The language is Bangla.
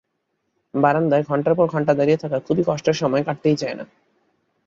বারান্দায় ঘন্টার পর ঘন্টা দাঁড়িয়ে থাকা খুবই কষ্টের সময় কাটতেই চায় না।